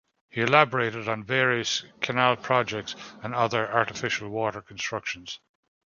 He elaborated on various canal projects and other artificial water constructions.